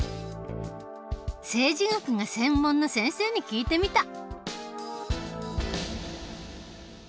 政治学が専門の先生に聞いてみた。